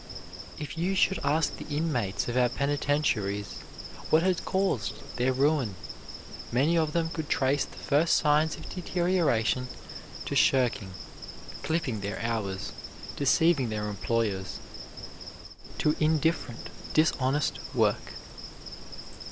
If you should ask the inmates of our penitentiaries what had caused their ruin, many of them could trace the first signs of deterioration to shirking, clipping their hours, deceiving their employers to indifferent, dishonest work.